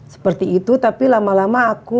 seperti itu tapi lama lama aku